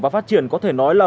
và phát triển có thể nói là